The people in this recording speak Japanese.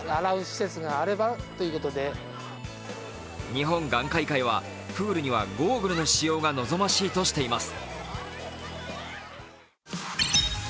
日本眼科医会はプールにはゴーグルの使用が望ましいとしています。